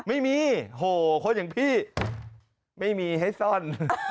ไม่มีโหคนอย่างพี่ไม่มีให้ซ่อน